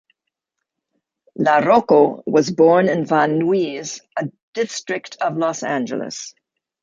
LaRocco was born in Van Nuys, a district of Los Angeles.